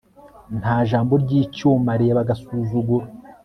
nta jambo ryicyuma, reba agasuzuguro